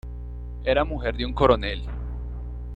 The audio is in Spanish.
Era mujer de un coronel.